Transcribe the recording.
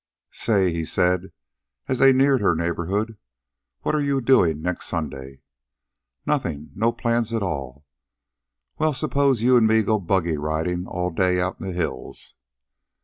"Say," he said, as they neared her neighborhood, "what are you doin' next Sunday?" "Nothing. No plans at all." "Well, suppose you an' me go buggy riding all day out in the hills?"